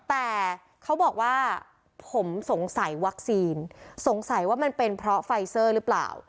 แต่เขาบอกว่าผมสงสัยวัคซีนสงสัยว่ามันเป็นเพราะไฟเซอร์หรือเปล่า